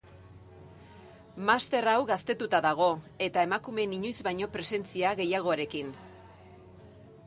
Master hau gaztetuta dago, eta emakumeen inoiz baino presentzia gehiagorekin.